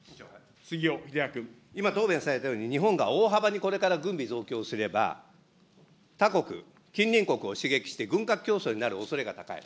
今、答弁されたように、日本が大幅にこれから軍備増強すれば、他国、近隣国を刺激して、軍拡競争になるおそれが高い。